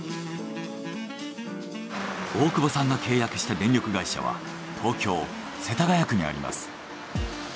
大久保さんが契約した電力会社は東京世田谷区にあります。